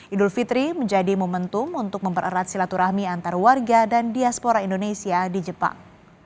idul fitri menjadi momentum untuk mempererat silaturahmi antar warga dan diaspora indonesia di jepang